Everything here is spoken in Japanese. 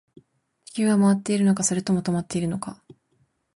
地球は回っているのか、それとも止まっているのか